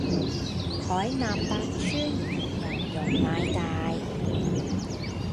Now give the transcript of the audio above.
海納百川，有容乃大